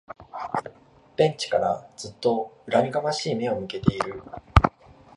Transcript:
ベンチからずっと恨みがましい目を向けている